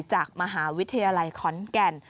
จากมหาวิทยาลัยขอนแก่น